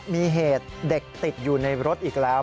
มีเหตุเด็กติดอยู่ในรถอีกแล้ว